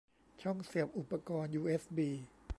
ช่องเสียบอุปกรณ์ยูเอสบี